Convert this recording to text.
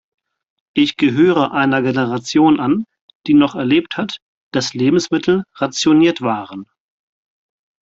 Ich gehöre einer Generation an, die noch erlebt hat, dass Lebensmittel rationiert waren.